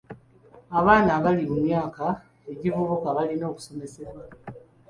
Abaana abali mu myaka egivubuka balina okusomesebwa.